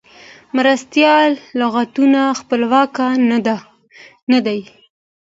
مرستیال لغتونه خپلواک نه دي.